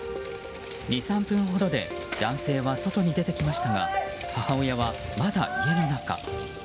２３分ほどで男性は外に出てきましたが母親はまだ家の中。